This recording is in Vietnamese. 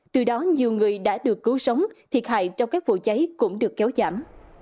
từ đó nhiều người đã được cứu sống thiệt hại trong các vụ cháy cũng được kéo giảm